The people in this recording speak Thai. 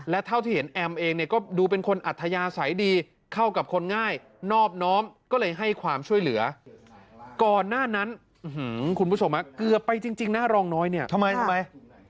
และเท่าที่เห็นแอมเองเนี่ยก็ดูเป็นคนอัธยาศัยดีเข้ากับคนง่ายนอบน้อมก็เลยให้ความช่วยเหลือก่อนหน้านั้นคุณผู้ชมเกือบไปจริงนะรองน้อยเนี่ยทำไมทำไม